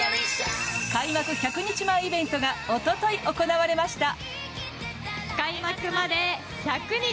開幕１００日前イベントが一昨日、行われました。